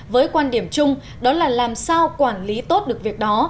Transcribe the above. với quan điểm chung đó là làm sao quản lý tốt được việc đó